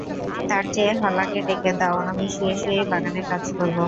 তার চেয়ে হলাকে ডেকে দাও, আমি শুয়ে শুয়েই বাগানের কাজ করব।